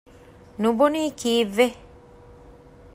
ނުބޮނީ ކީއްވެ؟